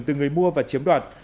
từ người mua và chiếm đoạt